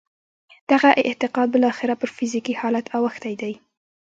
دغه اعتقاد بالاخره پر فزیکي حالت اوښتی دی